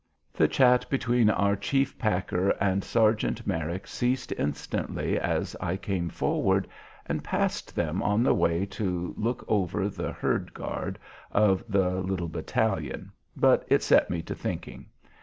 The chat between our chief packer and Sergeant Merrick ceased instantly as I came forward and passed them on the way to look over the herd guard of the little battalion, but it set me to thinking.